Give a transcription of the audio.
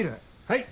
はい。